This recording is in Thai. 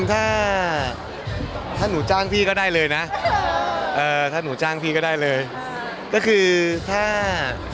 ถ้าถ้าหนูจ้างพี่ก็ได้เลยนะเอ่อถ้าหนูจ้างพี่ก็ได้เลยก็คือถ้า